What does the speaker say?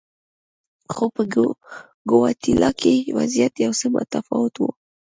خو په ګواتیلا کې وضعیت یو څه متفاوت و.